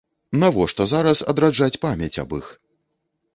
Навошта зараз адраджаць памяць аб іх?